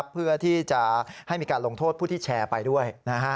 เพื่อที่จะให้มีการลงโทษผู้ที่แชร์ไปด้วย